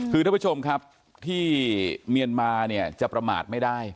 คือท่านผู้ชมครับที่เมียนมาเนี่ยจะประมาทไม่ได้